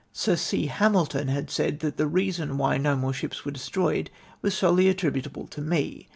Sir C. Hamilton had said that the reason why no more ships were destroyed was solely attri butable to me